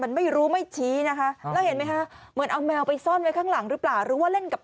มันไม่รู้ไม่ชี้นะคะแล้วเห็นไหมคะเหมือนเอาแมวไปซ่อนไว้ข้างหลังหรือเปล่าหรือว่าเล่นกับ